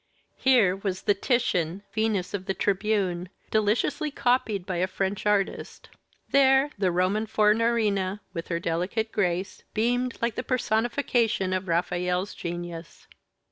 Here was the Titian Venus of the Tribune, deliciously copied by a French artist; there, the Roman Fornarina, with her delicate grace, beamed like the personification of Raphael's genius.